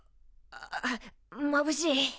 ああまぶしい。